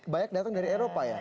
banyak datang dari eropa ya